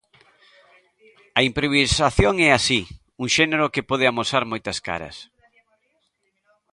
A improvisación é, así, un xénero que pode amosar moitas caras.